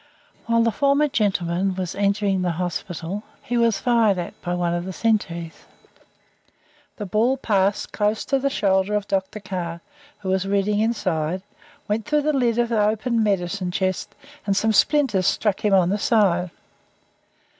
While the former gentleman was entering the hospital he was fired at by one of the sentries. The ball passed close to the shoulder of Dr. Carr, who was reading inside, went through the lid of the open medicine chest, and some splinters struck him on the side.